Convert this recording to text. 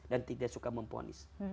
dan tidak suka memponis